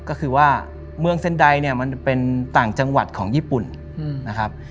ก็คือว่าเมืองเซ็นไดเนี่ยมันเป็นต่างจังหวัดของญี่ปุ่นนะครับ